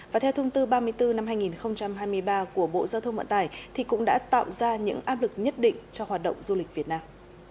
và theo thông tư ba mươi bốn năm hai nghìn hai mươi ba của bộ giao thông vận tải thì cũng đã tạo ra những áp lực nhất định cho hoạt động du lịch việt nam